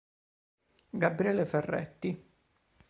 Gabriele Ferretti